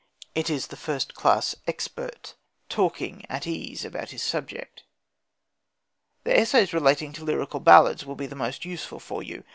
It is the first class expert talking at ease about his subject. The essays relating to Lyrical Ballads will be the most useful for you.